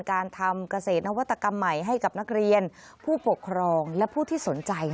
การทำเกษตรนวัตกรรมใหม่ให้กับนักเรียนผู้ปกครองและผู้ที่สนใจ